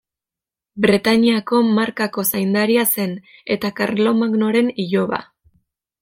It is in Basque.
Bretainiako markako zaindaria zen, eta Karlomagnoren iloba.